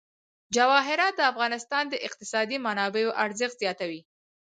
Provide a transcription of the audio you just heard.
جواهرات د افغانستان د اقتصادي منابعو ارزښت زیاتوي.